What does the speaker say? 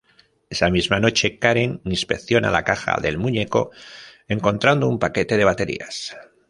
Esa misma noche, Karen inspecciona la caja del muñeco, encontrando un paquete de baterías.